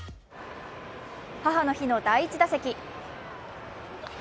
母の日の第１打席。